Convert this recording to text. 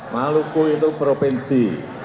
maluku itu provinsi